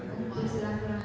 untuk berserah kurangi